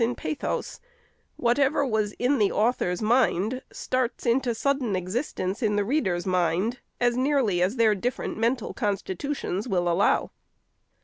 531 in pathos, — whatever was in the author's mind starts into sudden existence in the reader's mind, as nearly as their different mental constitutions will allow.